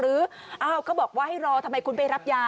เขาบอกว่าให้รอทำไมคุณไปรับยา